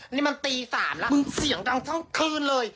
นี่มันตี๓แล้วมึงเสียงดังทั้งคืนเลย